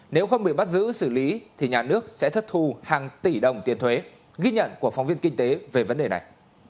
nếu không bị bắt giữ xử lý thì nhà nước sẽ thất thu hàng tỷ đồng tiền thuế ghi nhận của phóng viên kinh tế về vấn đề này